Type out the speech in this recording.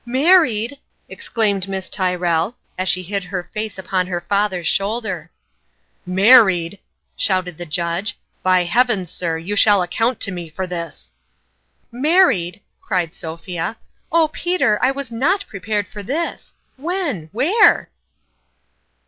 " Married !" exclaimed Miss Tyrrell, as she hid her face upon her father's shoulder. " Maried !" shouted the Judge. " By heav ens, sir, you shall account to me for this !"" Married !" cried Sophia.. " Oh, Peter, I was not prepared for this ! When ? Where